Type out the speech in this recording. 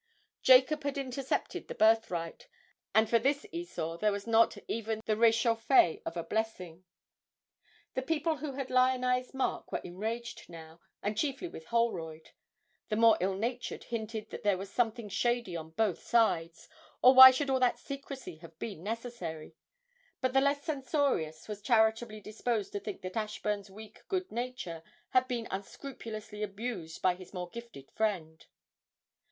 Jacob had intercepted the birthright, and for this Esau there was not even the réchauffé of a blessing. The people who had lionised Mark were enraged now, and chiefly with Holroyd; the more ill natured hinted that there was something shady on both sides or why should all that secrecy have been necessary? but the less censorious were charitably disposed to think that Ashburn's weak good nature had been unscrupulously abused by his more gifted friend.